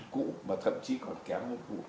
cũng mà thậm chí còn kéo hơn